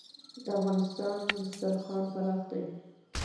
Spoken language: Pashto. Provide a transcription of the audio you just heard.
د افغانستان دسترخان پراخ دی